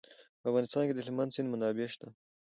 په افغانستان کې د هلمند سیند منابع شته.